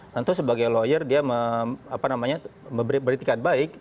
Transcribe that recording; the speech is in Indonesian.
lalu sebagai lawyer dia beri tiket baik